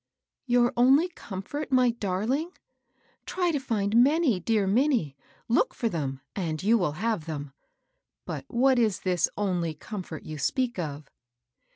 " Your only comfort, my darling ? Try to find many, dear Minnie, — look for them, and you will have them. But what was this only comfort you speak of?"